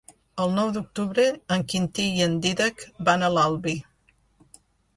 El nou d'octubre en Quintí i en Dídac van a l'Albi.